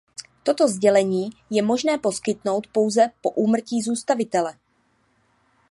Toto sdělení je možné poskytnout pouze po úmrtí zůstavitele.